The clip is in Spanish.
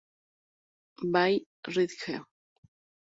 Bay Ridge.